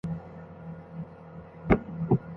জ্বালানি আছে গাড়িতে।